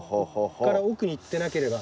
ここから奥に行ってなければ。